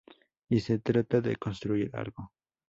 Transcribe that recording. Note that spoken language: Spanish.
Y se trata de construir algo.